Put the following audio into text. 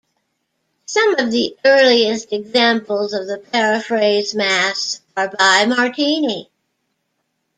Some of the earliest examples of the paraphrase mass are by Martini.